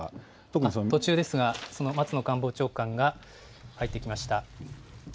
途中ですが、松野官房長官が入ってきました。